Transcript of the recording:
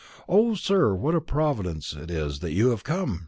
"O, sir, what a providence it is that you've come!"